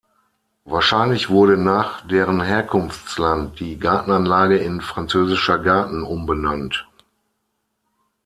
Wahrscheinlich wurde nach deren Herkunftsland die Gartenanlage in „Französischer Garten“ umbenannt.